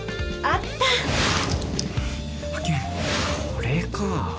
これか。